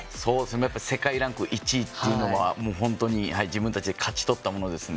世界ランク１位は本当に自分たちが勝ち取ったものですね。